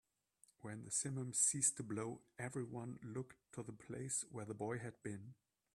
When the simum ceased to blow, everyone looked to the place where the boy had been.